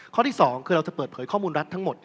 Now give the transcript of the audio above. ข้อที่๒คือเราจะเปิดเผยข้อมูลรัฐทั้งหมด